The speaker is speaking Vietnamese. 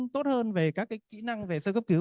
tốt hơn về các cái kĩ năng về sơ cấp cứu